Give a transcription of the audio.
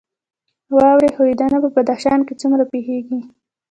واورې ښویدنه په بدخشان کې څومره پیښیږي؟